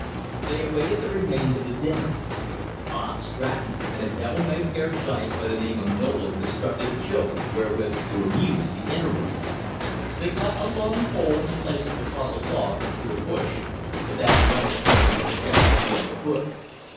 They awaited the remains of the dinner. Bob Stratton and a devil may care giant by the name of Nolan constructed a joke wherewith to amuse the interim. They cut a long pole, and placed it across a log and through a bush, so that one extremity projected beyond the bush.